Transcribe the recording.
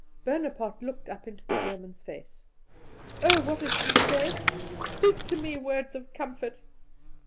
Bonaparte looked up into the German's face. "Oh, what does she say? Speak to me words of comfort!"